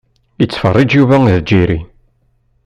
Ittfeṛṛiǧ Yuba & Jerry.